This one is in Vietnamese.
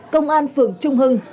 công an phường trung hưng